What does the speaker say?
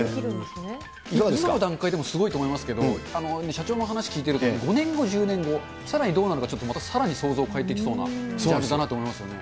今の段階でもすごいと思いますけど、社長の話聞いてると、５年後、１０年後、さらにどうなるか、またさらに想像を超えていきそうな企画だなと思いますね。